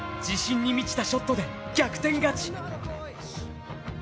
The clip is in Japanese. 自信に満ちたショットで逆転勝ち。